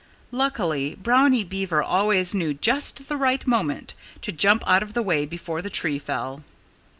Luckily, Brownie Beaver always knew just the right moment to jump out of the way before the tree fell.